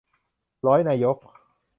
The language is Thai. ร้อยนายก